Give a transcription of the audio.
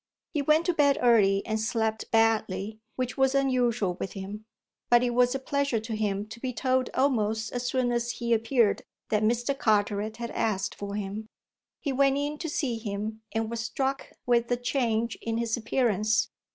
He went to bed early and slept badly, which was unusual with him; but it was a pleasure to him to be told almost as soon as he appeared that Mr. Carteret had asked for him. He went in to see him and was struck with the change in his appearance.